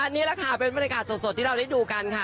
นี่แหละค่ะเป็นบรรยากาศสดที่เราได้ดูกันค่ะ